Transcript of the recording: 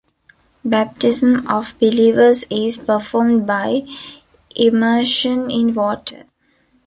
Baptism of believers is performed by immersion in water.